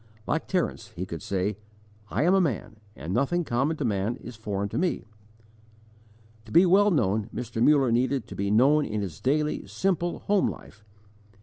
Like Terence, he could say: "I am a man, and nothing common to man is foreign to me." To be well known, Mr. Muller needed to be known in his daily, simple, home life.